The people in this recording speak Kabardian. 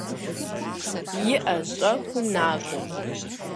ИӀэ, щӀэхыу накӏуэ.